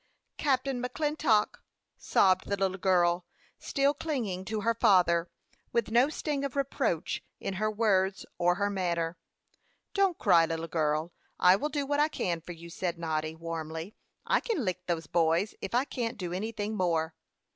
"Captain McClintock," sobbed the little girl, still clinging to her father, with no sting of reproach in her words or her manner. "Don't cry, little girl; I will do what I can for you," said Noddy, warmly. "I can lick those boys, if I can't do anything more."